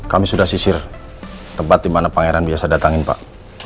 kami sudah sisir tempat di mana pangeran biasa datangin pak